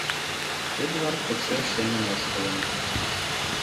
Эдвард пыкше шеҥын ошкылын.